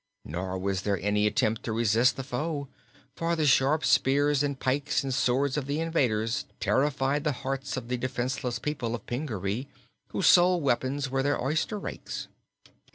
Nor was there any attempt to resist the foe, for the sharp spears and pikes and swords of the invaders terrified the hearts of the defenseless people of Pingaree, whose sole weapons were their oyster rakes.